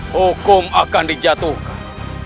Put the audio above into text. hukum akan dijatuhkan